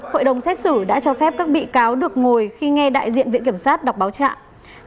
hội đồng xét xử đã cho phép các bị cáo được ngồi khi nghe đại diện viện kiểm sát đọc báo trạng